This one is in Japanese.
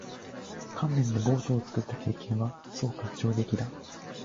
乾麺でボートを作った経験は？そうか。上出来だ。